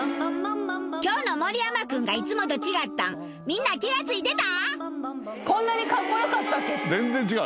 今日の盛山君がいつもと違ったんみんな気がついてた？